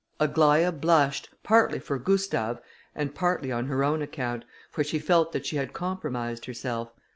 Aglaïa blushed, partly for Gustave and partly on her own account, for she felt that she had compromised herself.